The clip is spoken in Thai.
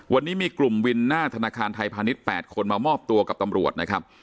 วันนี้มีกลุ่มวินหน้าธนาคารไทยพาณิชย์๘คนมามอบตัวกับตำรวจนะครับ